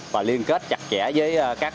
và liên kết chặt chẽ với các tổ công tác